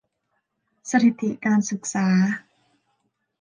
สถิติการศึกษา